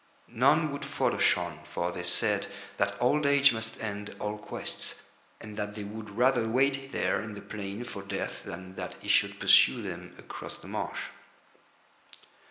None would follow Shaun, for they said that old age must end all quests, and that they would rather wait there in the plain for Death than that he should pursue them across the marsh.